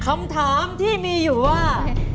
คำถามที่มีอยู่ว่า